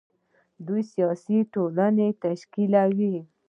دوی سیاسي ټولنه تشکیلوي.